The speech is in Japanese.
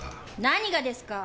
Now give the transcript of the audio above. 何がですか？